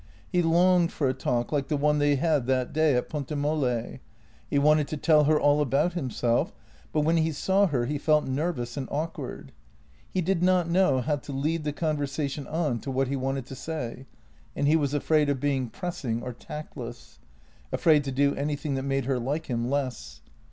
He longed for a talk like the one they had that day at Ponte Molle; he wanted to tell her all about himself, but when he saw her he felt nervous and awk ward. He did not know how to lead the conversation on to what he wanted to say, and he was afraid of being pressing or tactless; afraid to do anything that made her like him less.